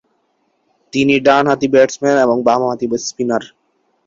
তিনি ডানহাতি ব্যাটসম্যান এবং বামহাতি স্পিনার।